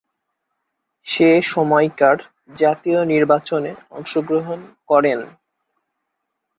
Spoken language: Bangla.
সে সময়কার জাতীয় নির্বাচনে অংশগ্রহণ করেন।